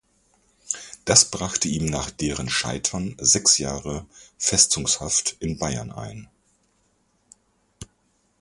Das brachte ihm nach deren Scheitern sechs Jahre Festungshaft in Bayern ein.